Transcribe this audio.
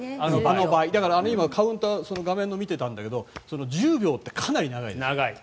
だから、カウンター画面のを見てたんだけど１０秒ってかなり長いね。